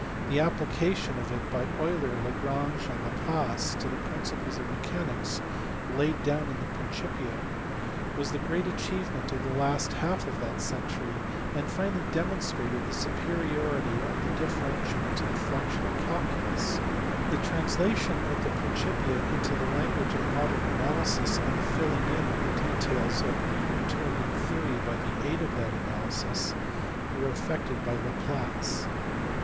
The application of it by Euler. Lagrange, and Laplace to the principles of mechanics laid down in the Principia was the great achievement of the last half of that century, and finally demonstrated the superiority of the differential to the fluxional calculus. The translation of the Principia into the language of modern analysis and the filling in of the details of the Newtonian theory by the aid of that analysis were effected by Laplace.